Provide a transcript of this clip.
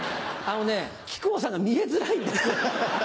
あのね木久扇さんが見えづらいんだよ。